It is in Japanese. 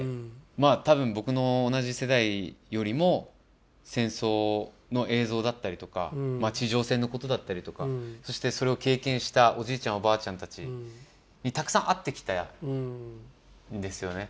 まあ多分僕の同じ世代よりも戦争の映像だったりとか地上戦のことだったりとかそしてそれを経験したおじいちゃんおばあちゃんたちにたくさん会ってきたんですよね。